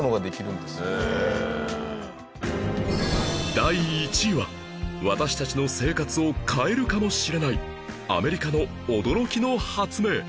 第１位は私たちの生活を変えるかもしれないアメリカの驚きの発明